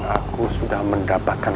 aku sudah mendapatkan